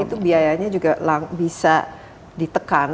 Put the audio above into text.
sebelumnya juga bisa ditekan